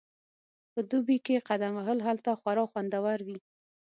په دوبي کې قدم وهل هلته خورا خوندور وي